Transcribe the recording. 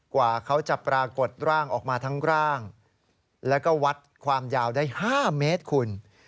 กว่าเขาจะปรากฏร่างออกมาทั้งร่างแล้วก็วัดความยาวได้๕เมตรคุณ